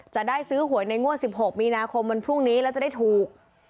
จะได้ซื้อหวยในงวด๑๖มีนาคมวันพรุ่งนี้แล้วจะได้ถูก